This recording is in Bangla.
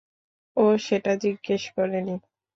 ও সেটা জিজ্ঞেস করেনি!